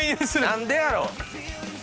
何でやろ。